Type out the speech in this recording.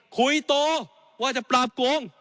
คุยโตว่าจะปราบโกง